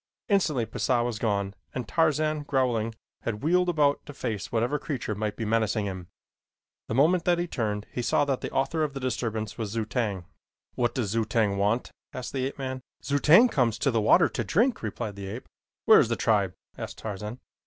Instantly Pisah was gone and Tarzan, growling, had wheeled about to face whatever creature might be menacing him. The moment that he turned he saw that the author of the disturbance was Zu tag. "What does Zu tag want?" asked the ape man. "Zu tag comes to the water to drink," replied the ape. "Where is the tribe?" asked Tarzan.